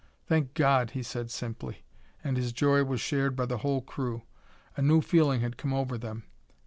"Thank God," he said simply, and his joy was shared by the whole crew. A new feeling had come over them.